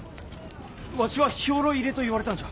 わしは兵糧入れと言われたんじゃ。